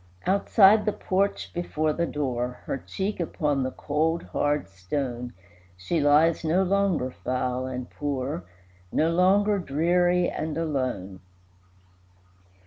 Outside the porch before the door, Her cheek upon the cold, hard stone, She lies, no longer foul and poor, No longer dreary and alone.